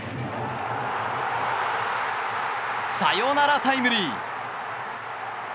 サヨナラタイムリー。